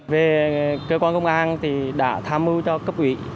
về cơ quan công an thì đã tham mưu cho cấp ủy